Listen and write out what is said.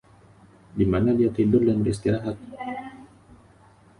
Dimana dia tidur dan beristirahat?